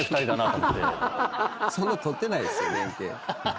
そんな取ってないですよ連携。